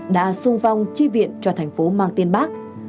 đã xung vong tri viện cho thành phố mang tên bác